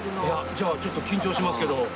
じゃあちょっと緊張しますけど。